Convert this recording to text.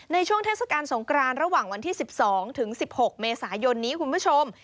เทศกาลสงกรานระหว่างวันที่๑๒ถึง๑๖เมษายนนี้คุณผู้ชม